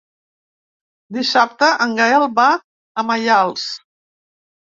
Dissabte en Gaël va a Maials.